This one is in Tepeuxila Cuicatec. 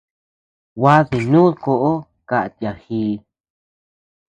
Gua dínud koʼo kat yagii.